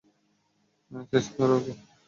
শেষ কর ওকে।